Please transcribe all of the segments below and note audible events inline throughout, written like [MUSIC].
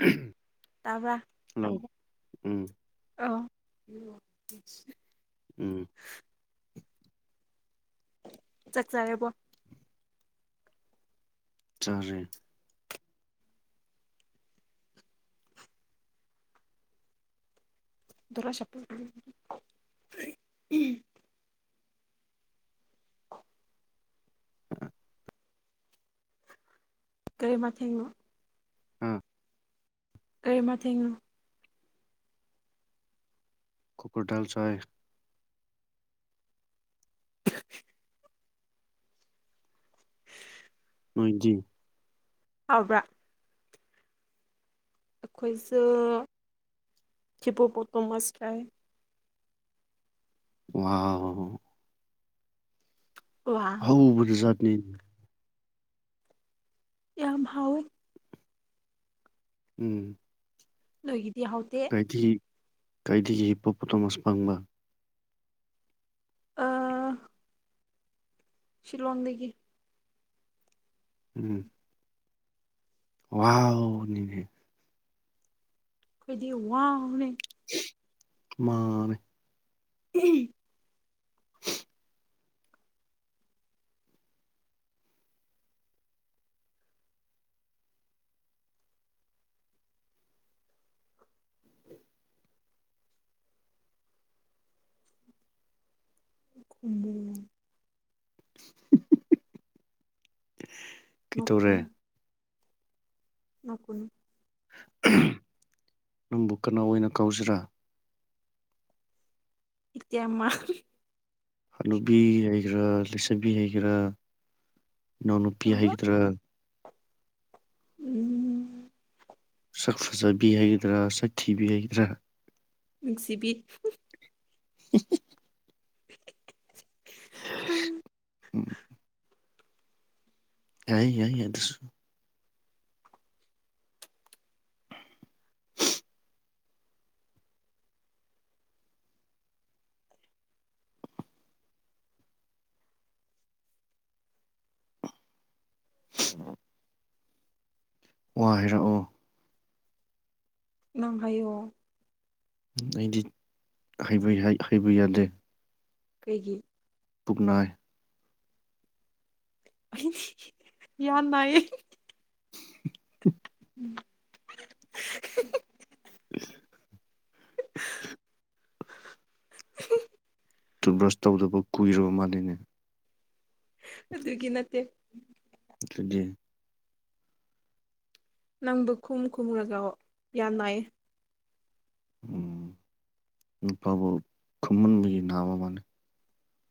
ꯎꯝ ꯇꯥꯕ꯭ꯔ ꯍꯜꯂꯣ ꯎꯝ ꯑꯥ ꯎꯝ ꯆꯠ ꯆꯔꯦꯕꯣ ꯆꯔꯦ ꯗꯨꯔ ꯁꯄ [UNINTELLIGIBLE] ꯀꯔꯤꯃꯊꯦꯡꯅ ꯑꯥ ꯀꯔꯤꯃ ꯊꯦꯡꯅꯣ ꯀꯨꯀꯔ ꯗꯜ ꯆꯥꯏ [UNINTELLIGIBLE] ꯃꯣꯏꯗꯤ ꯍꯕ꯭ꯔꯥ ꯑꯩꯈꯣꯏꯁꯨꯦ ꯍꯤꯕ ꯄꯇꯣ ꯃꯥꯁꯇꯥꯏ ꯋꯥ ꯋꯥ ꯍꯧꯕꯗꯤ ꯆꯖꯠꯅꯤꯅꯤ ꯌꯥꯝ ꯍꯥꯎꯦ ꯎꯝ ꯂꯣꯏꯒꯤꯗꯤ ꯍ ꯀꯥꯏꯗꯒꯤ ꯀꯥꯏꯗꯒꯤꯗꯒꯤ ꯄꯣ ꯄꯣꯇꯣ ꯑꯁ ꯄꯪꯕ ꯑꯥ ꯁꯤꯜꯂꯣꯡꯗꯒꯤꯗꯒꯤ ꯎꯝ ꯋꯥꯅꯤꯅꯦ ꯑꯩꯈꯣꯏꯗꯤ ꯋꯥꯡꯅ ꯃꯥꯅꯦ ꯎꯝ ꯈꯟꯗ ꯀꯩꯇꯧꯔꯦ ꯎ ꯅꯀꯨꯅꯤ ꯅꯪꯕꯨ ꯀꯅꯥ ꯑꯣꯏꯅ ꯀꯧꯁꯤꯔꯥ ꯏꯃ ꯍꯅꯨꯕꯤ ꯍꯩꯒꯦꯔꯥ ꯂꯩꯁꯕꯤ ꯍꯩꯒꯦꯔꯥ ꯏꯅꯥꯎꯅꯨꯄꯤ ꯑꯍꯥ ꯍꯩꯒꯗꯔꯥ ꯎꯝ ꯁꯛ ꯐꯖꯕꯤ ꯍꯥꯏꯒꯗ꯭ꯔꯥ ꯁꯛ ꯊꯤꯕꯤ ꯍꯥꯏꯒꯗ꯭ꯔꯥ ꯛꯁꯤꯕꯤ [UNINTELLIGIBLE] [INAUDIBLE] ꯑ ꯌꯥ ꯌꯥꯏ ꯌꯥꯁꯨ ꯎ ꯋꯥ ꯍꯥꯏꯔꯛꯑꯣ ꯅꯪ ꯍꯥꯏꯌ ꯑꯩꯗꯤ ꯍꯥꯏꯕ ꯌꯥꯗꯦ ꯀꯩꯒꯤ ꯄꯨꯛꯅꯥꯏ ꯑꯩ ꯌꯥꯝ ꯅꯥꯌꯦ [INAUDIBLE] ꯎꯝ ꯑ ꯇꯨꯠ ꯕ꯭ꯔꯁ ꯇꯧꯗꯕ ꯀꯨꯏꯔꯕ ꯃꯥꯜꯂꯤꯅꯦ ꯑꯗꯨꯒ ꯅꯠꯇꯦ ꯗꯤ ꯅꯪꯕꯨ ꯀꯨꯝ ꯈꯨꯝꯔꯒꯥꯎ ꯌꯥꯅꯥꯏ ꯎꯝ ꯏꯄꯥꯕꯨ ꯈꯨꯨꯝꯟꯕꯒꯤ ꯅꯥꯃ ꯃꯅꯦ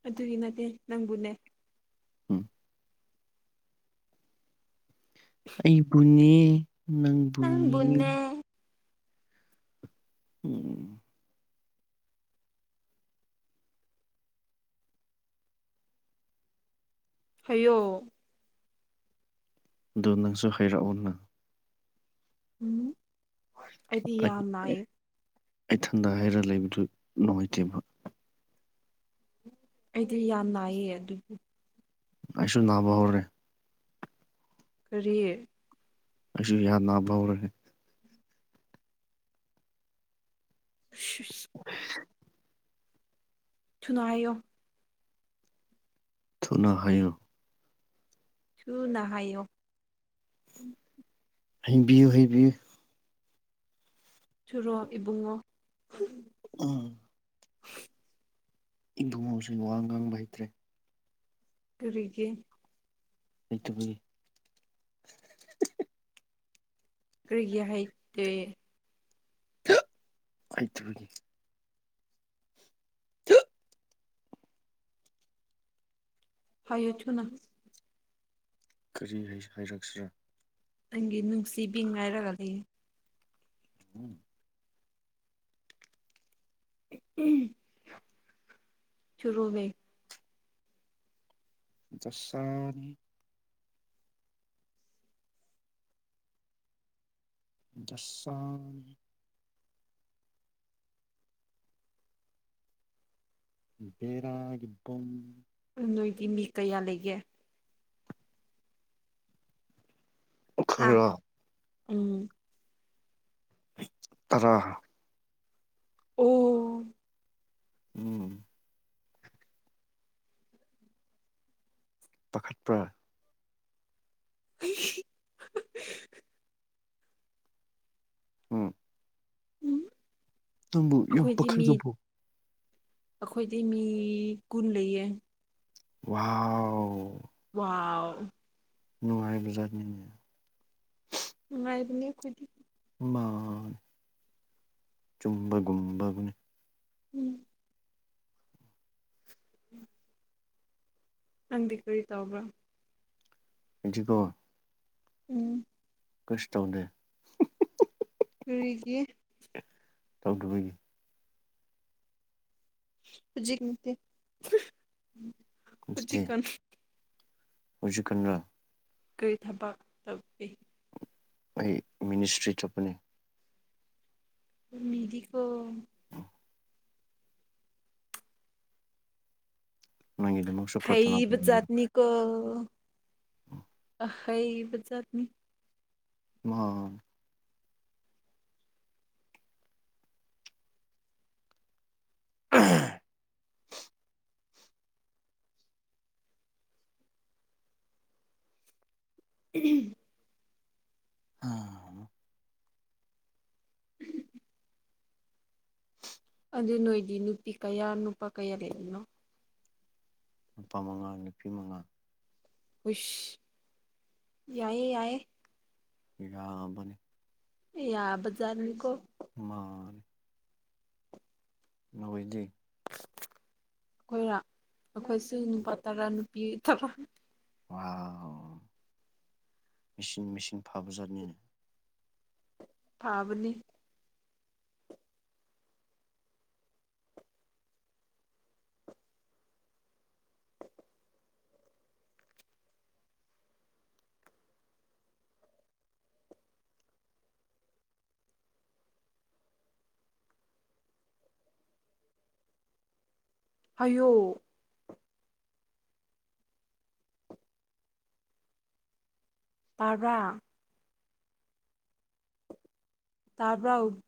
ꯑꯗꯨꯒꯤ ꯅꯠꯇꯦ ꯅꯪꯕꯨꯅꯦ ꯎꯝ ꯑꯩꯕꯨꯅꯦ ꯅꯪꯕꯨꯅꯦ ꯎꯝ ꯑꯌꯣ ꯑꯗꯨꯗ ꯅꯪꯁꯨ ꯍꯩꯔꯛꯑꯣꯅ ꯎꯝ ꯑꯩꯗꯤ ꯌꯥꯝ ꯅꯥꯏꯌꯦ ꯑꯩꯊꯟꯗ ꯍꯥꯏꯔꯒ ꯂꯩꯕꯗꯨ ꯅꯨꯡꯉꯥꯏꯇꯦꯕ ꯑꯩꯗꯤ ꯌꯥꯝ ꯅꯥꯏꯌꯦ ꯑꯗꯨꯕꯨ ꯑꯩꯁꯨ ꯅꯥꯕ ꯍꯧꯔꯦ ꯀꯔꯤ ꯑꯁꯤ ꯌꯥꯅꯅꯥꯕꯥꯎꯔꯦ [UNINTELLIGIBLE] [UNINTELLIGIBLE] ꯉꯥꯢꯌꯣ ꯊꯨꯅ ꯍꯥꯢꯌꯣ ꯊꯨꯅ ꯍꯥꯏꯌꯣ ꯍꯩꯕꯤꯌꯨ ꯍꯩꯕꯤꯌꯨ ꯊꯨꯔꯣ ꯏꯕꯨꯡꯉꯣ ꯎꯝ ꯏꯪꯊꯧ ꯉꯁꯤꯡ ꯋꯥ ꯉꯥꯡꯕ ꯍꯩꯇ꯭ꯔꯦ ꯀꯔꯤꯒꯤ ꯑꯗꯨꯕꯨ ꯀꯔꯤꯒꯤ ꯍꯩꯇꯦ ꯍꯩꯇꯕꯒꯤ [UNINTELLIGIBLE] ꯍꯥꯏꯌꯨ ꯊꯨꯅ ꯀꯔꯤ ꯍꯥꯏꯔꯛꯁꯤꯔꯥ ꯅꯪꯒꯤ ꯅꯨꯡꯁꯤꯕꯤ ꯉꯥꯏꯔꯒ ꯂꯩ [UNINTELLIGIBLE] ꯊꯨꯔꯣꯅꯦ ꯗꯁꯥꯅꯤ ꯗꯁꯝ ꯕꯦꯔꯥꯒꯤ ꯕꯣꯝ ꯅꯣꯏꯗꯤ ꯃꯤ ꯀꯌꯥ ꯂꯩꯒꯦ ꯍꯥꯥ ꯑꯩꯈꯣꯏꯔꯣ ꯎꯝ ꯇꯥꯔꯥ ꯑꯣ ꯎꯝ ꯄꯥꯈꯠꯄ꯭ꯔꯥ ꯑꯁ ꯎꯝ ꯎꯝ ꯅꯪꯕꯨ ꯌꯥꯝ ꯑꯩꯈꯣꯏꯗꯤ ꯃꯤ ꯄꯥꯈꯠꯂꯕꯣ ꯑꯩꯈꯣꯏꯗꯤ ꯃꯤ ꯀꯨꯟ ꯂꯩꯌꯦ ꯋꯥꯎ ꯋꯥꯎ ꯅꯨꯡꯉꯥꯏꯕꯖꯥꯅꯤꯅꯦ ꯅꯨꯡꯉꯥꯏꯕꯅꯤ ꯑꯩꯈꯣꯏꯗꯤ ꯃꯥ ꯆꯨꯝꯕ ꯒꯨꯝꯕꯒꯅꯤ ꯎꯝ ꯎꯝ ꯅꯪꯗꯤ ꯀꯔꯤ ꯇꯧꯕ꯭ꯔꯣ ꯑꯩꯗꯤꯀꯣ ꯎꯝ ꯀꯩꯁꯨ ꯇꯧꯗꯦ ꯀꯔꯤꯒꯤ ꯇꯧꯗꯕꯒꯤ ꯍꯨꯖꯤꯛ ꯅꯠꯇꯦ ꯍꯤꯖꯤꯛ ꯀꯟ ꯍꯨꯖꯤꯛ ꯀꯥꯟꯔꯥ ꯀꯔꯤ ꯊꯕꯛ ꯇꯧꯄꯤ ꯑꯩ ꯃꯤꯅꯤꯁꯇ꯭ꯔꯤ ꯆꯠꯄꯅꯤ ꯃꯤꯗꯤꯀꯣ ꯅꯪꯒꯤꯗꯃꯛꯁꯨ ꯄ꯭ꯔꯊꯅꯥ ꯍꯩꯕ ꯖꯠꯅꯤꯀꯣ ꯎꯝ ꯑꯍꯩꯕꯖꯥꯠꯅꯤ ꯃꯍꯥꯝ [UNINTELLIGIBLE] [UNINTELLIGIBLE] ꯑꯥ ꯎꯝ ꯑꯗꯨ ꯅꯣꯏꯗꯤ ꯅꯨꯄꯤ ꯀꯌꯥ ꯅꯨꯄꯥ ꯀꯌꯥ ꯂꯩꯕꯅꯣ ꯅꯨꯄꯥ ꯃꯉꯥ ꯅꯨꯄꯤ ꯃꯉꯥ ꯋꯤꯁ ꯌꯥꯏꯌꯦ ꯌꯥꯏꯌꯦ ꯌꯥꯝꯕꯅꯤ ꯌꯥꯕꯖꯥꯠꯅꯤꯀꯣ ꯃꯥꯥꯟꯅꯤ ꯅꯍꯣꯏꯗꯤ ꯑꯩꯈꯣꯏꯔꯣ ꯑꯩꯈꯣꯏꯁꯨ ꯅꯨꯄꯥ ꯇꯔꯥ ꯅꯨꯄꯤ ꯇꯔꯥ ꯋꯥꯎ ꯃꯤꯁꯤꯡ ꯃꯤꯁꯤꯡ ꯐꯕꯖꯥꯠꯅꯤꯅꯦ ꯐꯥꯕꯅꯤ ꯍꯥꯏꯌꯣ ꯇꯥꯔꯥ ꯇꯥꯕ꯭ꯔꯥꯎ